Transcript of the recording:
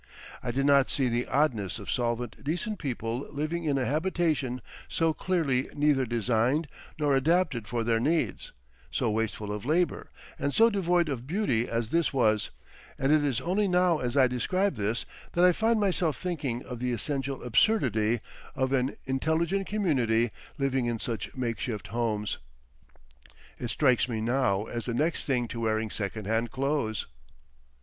I did not see the oddness of solvent decent people living in a habitation so clearly neither designed nor adapted for their needs, so wasteful of labour and so devoid of beauty as this was, and it is only now as I describe this that I find myself thinking of the essential absurdity of an intelligent community living in such makeshift homes. It strikes me now as the next thing to wearing second hand clothes.